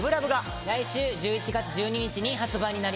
来週１１月１２日に発売になります。